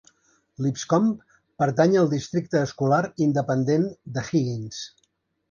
Lipscomb pertany al districte escolar independent de Higgins.